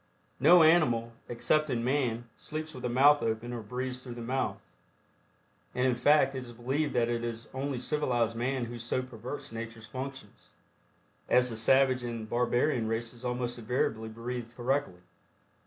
No animal, excepting man, sleeps with the mouth open or breathes through the mouth, and in fact it is believed that it is only civilized man who so perverts nature's functions, as the savage and barbarian races almost invariably breathe correctly.